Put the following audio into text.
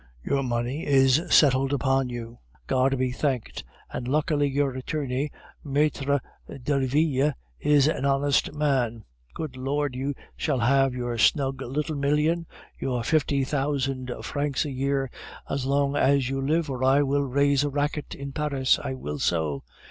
Your money is settled upon you, God be thanked! and, luckily, your attorney, Maitre Derville, is an honest man. Good Lord! you shall have your snug little million, your fifty thousand francs a year, as long as you live, or I will raise a racket in Paris, I will so!